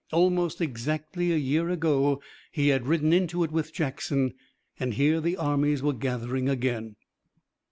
Almost exactly a year ago he had ridden into it with Jackson and here the armies were gathering again.